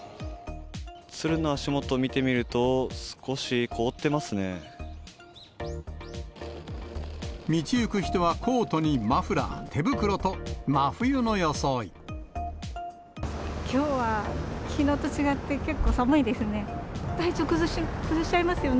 鶴の足元を見てみると、道行く人はコートにマフラー、きょうはきのうと違って結構寒いですね。